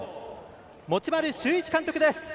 持丸修一監督です。